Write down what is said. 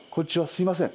すいません。